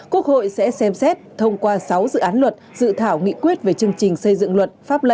quốc hội sẽ xem xét thông qua sáu dự án luật dự thảo nghị quyết về chương trình xây dựng luật pháp lệnh năm hai nghìn hai mươi bốn